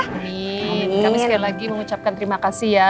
amin kami sekali lagi mengucapkan terima kasih ya